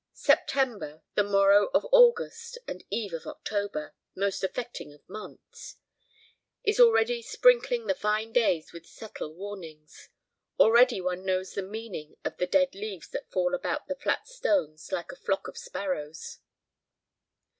September the morrow of August and eve of October, most affecting of months is already sprinkling the fine days with subtle warnings. Already one knows the meaning of the dead leaves that flit about the flat stones like a flock of sparrows.